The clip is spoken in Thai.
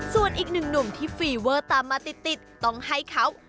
ส่วนอีกหนึ่งหนุ่มที่ฟีเวอร์ตามมาติดต้องให้เขา